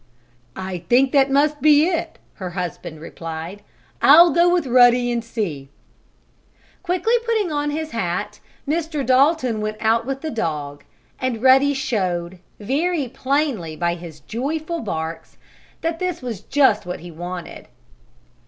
"I think that must be it," her husband replied. "I'll go with Ruddy and see." Quickly putting on his hat, Mr. Dalton went out with the dog, and Ruddy showed, very plainly by his joyful barks, that this was just what he wanted.